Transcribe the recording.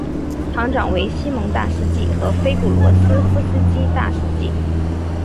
堂长为西蒙大司祭和菲古罗夫斯基大司祭。